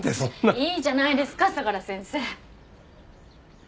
いいじゃないですか相良先生。